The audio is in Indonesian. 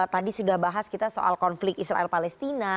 tadi sudah bahas kita soal konflik israel palestina